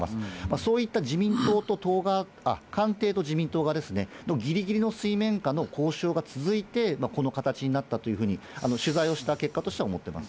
そういった、官邸と自民党が、ぎりぎりの水面下の交渉が続いて、この形になったというふうに、取材をした結果としては思ってます。